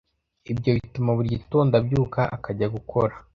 Ibyo bituma buri gitondo abyuka akajya gukora